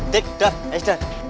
dik dar es dar